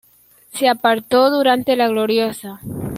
Se apartó durante La Gloriosa.